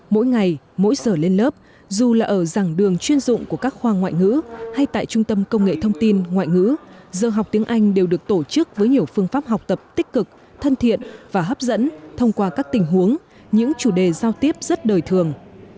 mỗi ngày mỗi giờ lên lớp dù là ở dàng đường chuyên dụng của các khoa ngoại ngữ hay tại trung tâm công nghệ thông tin ngoại ngữ giờ học tiếng anh đều được tổ chức với nhiều phương pháp học tập tích cực thân thiện và hấp dẫn thông qua các tình huống những chủ đề giao tiếp rất đời thường